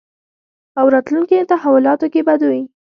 او راتلونکې تحولاتو کې به دوی